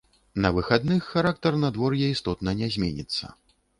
На выхадных характар надвор'я істотна не зменіцца.